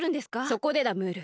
そこでだムール。